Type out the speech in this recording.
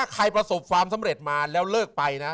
ใครประสบความสำเร็จมาแล้วเลิกไปนะ